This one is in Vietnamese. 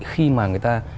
khi mà người ta